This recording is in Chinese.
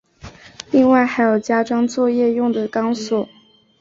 另外还有加装作业用的钢索。